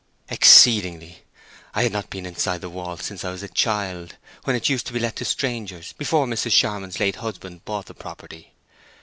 "Exceedingly. I had not been inside the walls since I was a child, when it used to be let to strangers, before Mrs. Charmond's late husband bought the property.